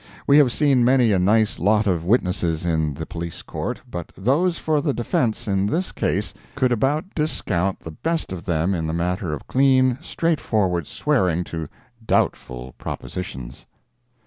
We have seen many a nice lot of witnesses in the Police Court, but those for the defence in this case could about discount the best of them in the matter of clean, straight forward swearing to doubtful propositions.